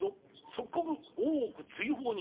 即刻大奥追放に。